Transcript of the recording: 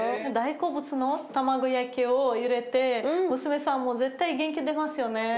大好物の卵焼きを入れて娘さんも絶対元気出ますよね。